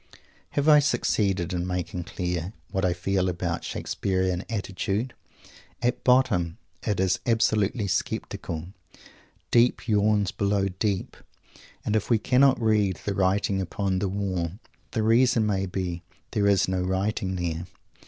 Have I succeeded in making clear what I feel about the Shakespearean attitude? At bottom, it is absolutely sceptical. Deep yawns below Deep; and if we cannot read "the writing upon the wall," the reason may be that there is no writing there.